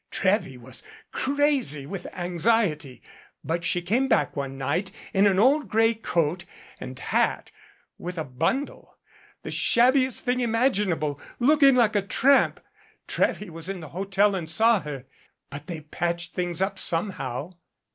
Trewy was crazy with anxiety. But she came back one night in an old gray coat and hat with a bundle the shabbiest thing imaginable, looking like a tramp. Trewy was in the hotel and saw her. But they patched things up somehow."